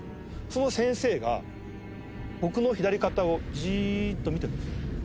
その先生が僕の左肩をジーッと見てるんですよ。